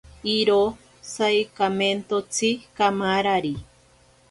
Iro saikamentotsi kamarari.